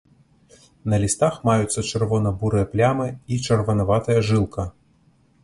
На лістах маюцца чырвона-бурыя плямы і чырванаватая жылка.